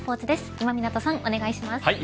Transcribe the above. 今湊さんお願いします。